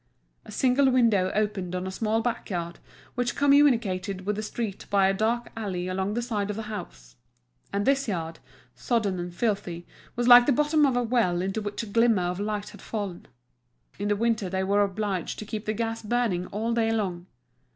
A single window opened on a small back yard, which communicated with the street by a dark alley along the side of the house. And this yard, sodden and filthy, was like the bottom of a well into which a glimmer of light had fallen. In the winter they were obliged to keep the gas burning all day long.